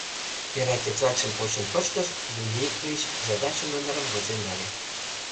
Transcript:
— Вера тетрадьшым почын пыштыш, дневник гыч задача номерым возен нале.